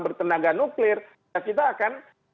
bertenaga nuklir kita akan